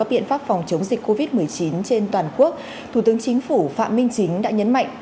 biện pháp phòng chống dịch covid một mươi chín trên toàn quốc thủ tướng chính phủ phạm minh chính đã nhấn mạnh